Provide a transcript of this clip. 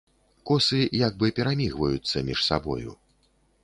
Косы як бы перамігваюцца між сабою.